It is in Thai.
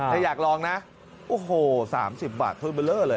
ถ้าอยากลองนะโอ้โฮ๓๐บาทโทษเมื่อเรื่องเลย